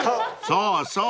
［そうそう。